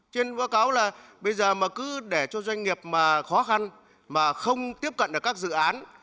trên báo cáo là bây giờ mà cứ để cho doanh nghiệp mà khó khăn mà không tiếp cận được các dự án